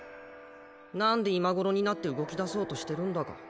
なんで今頃になって動きだそうとしてるんだか。